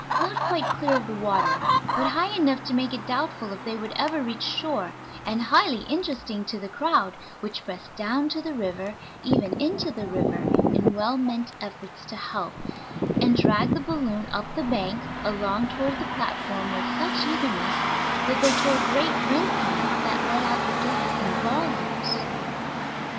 not quite clear of the water, but high enough to make it doubtful if they would ever reach shore, and highly interesting to the crowd which pressed down to the river, even into the river, in well meant efforts to help, and dragged the balloon up the bank and along toward the platform with such eagerness that they tore great rents in it that let out the gas in volumes.